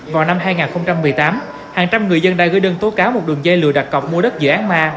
vào năm hai nghìn một mươi tám hàng trăm người dân đã gửi đơn tố cáo một đường dây lừa đặt cọc mua đất dự án ma